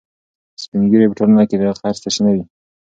سپین ږیري په ټولنه کې د خیر سرچینه وي.